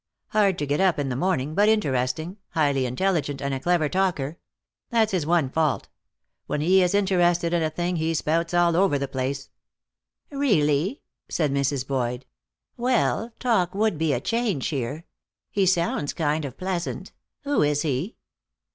Hard to get up in the morning, but interesting, highly intelligent, and a clever talker. That's his one fault. When he is interested in a thing he spouts all over the place." "Really?" said Mrs. Boyd. "Well, talk would be a change here. He sounds kind of pleasant. Who is he?"